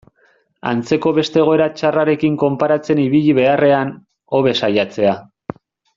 Antzeko beste egoera txarrekin konparatzen ibili beharrean, hobe saiatzea.